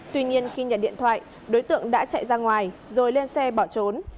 tuy nhiên khi nhận điện thoại đối tượng đã chạy ra ngoài rồi lên xe bỏ trốn